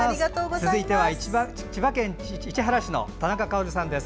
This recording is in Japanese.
続いては、千葉県市原市の田中薫さんです。